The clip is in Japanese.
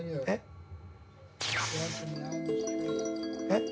えっ？